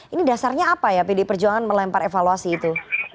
ini dasarnya apa ya pdi perjuangan melempar evaluasi itu